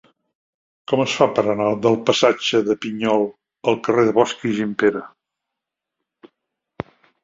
Com es fa per anar del passatge de Pinyol al carrer de Bosch i Gimpera?